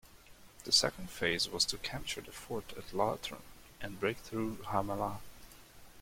The second phase was to capture the fort at Latrun and break through Ramallah.